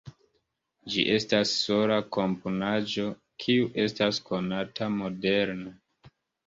Ĝi estas sola komponaĵo kiu estas konata moderne.